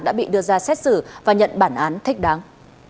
đã bị đưa ra xét xử và nhận bản án thích đáng